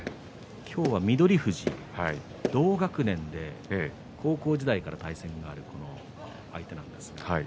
今日は翠富士、同学年で高校時代から対戦がある相手です。